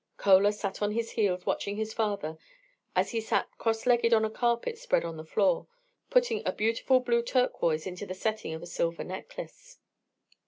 Chola sat on his heels watching his father as he sat cross legged on a carpet spread on the floor, putting a beautiful blue turquoise into the setting of a silver necklace.